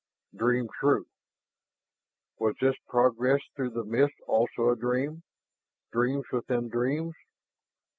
Dream true was this progress through the mist also a dream? Dreams within dreams....